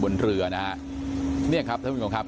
เนี่ยค่ะทุกผู้ชมครับ